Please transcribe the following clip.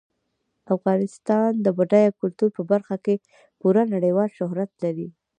افغانستان د خپل بډایه کلتور په برخه کې پوره نړیوال شهرت لري.